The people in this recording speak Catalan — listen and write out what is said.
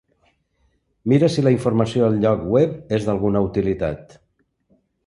Mira si la informació al lloc web és d'alguna utilitat.